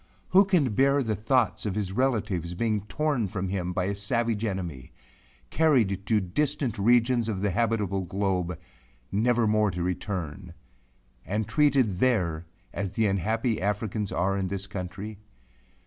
Who can bear the thoughts of his relatives being torn from him by a savage enemy; carried to distant regions of the habitable globe, never more to return; and treated there as the unhappy Africans are in this country?